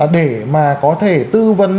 để mà có thể tư vấn